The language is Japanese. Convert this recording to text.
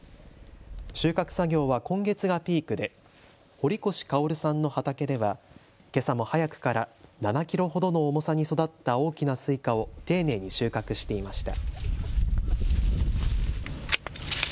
収穫作業は今月がピークで堀越薫さんの畑ではけさも早くから７キロほどの重さに育った大きなスイカを丁寧に収穫していました。